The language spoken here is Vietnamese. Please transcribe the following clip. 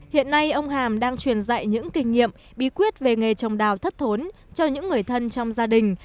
hiện nay ông hàm đang truyền dạy những kinh nghiệm bí quyết về nghề trồng đào thất thốn cho những người thân trong gia đình